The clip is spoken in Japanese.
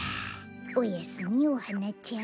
おやすみおハナちゃん。